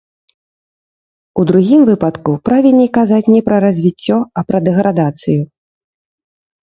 У другім выпадку правільней казаць не пра развіццё, а пра дэградацыю.